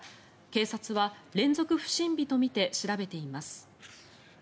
警察は連続不審火とみて調べています。